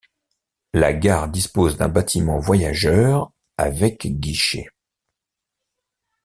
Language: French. La gare dispose d'un bâtiment voyageurs, avec guichets.